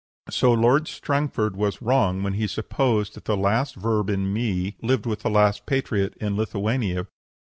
So Lord Strangford was wrong when he supposed that the last verb in mi lived with the last patriot in Lithuania.